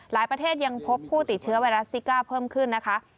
ประเทศยังพบผู้ติดเชื้อไวรัสซิก้าเพิ่มขึ้นนะคะ